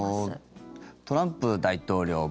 トランプ大統領